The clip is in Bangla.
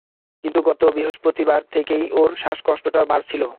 কিন্তু গত বৃহস্পতিবার থেকেই ওঁর শ্বাসকষ্টটা বাড়ছিল।